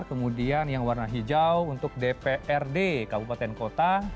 kemudian yang warna hijau untuk dprd kabupaten kota